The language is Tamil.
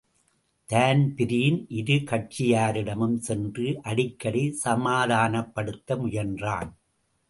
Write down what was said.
தான்பிரீன் இரு கட்சியாரிடமும் சென்று அடிக்கடிசமாதானப்படுத்த முயன்றான்.